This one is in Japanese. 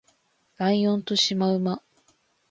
ライオンとシマウマ